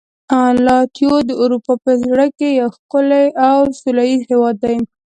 لاتویا د اروپا په زړه کې یو ښکلی او سولهییز هېواد دی.